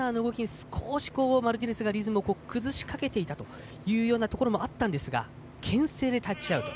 少しマルティネスがリズムを崩しかけていたところもあったんですがけん制でタッチアウト。